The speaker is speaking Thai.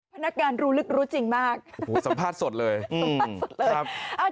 แผนการรู้ลึกรู้จริงมากสัมภาษณ์สดเลยครับ